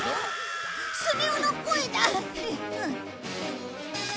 スネ夫の声だ！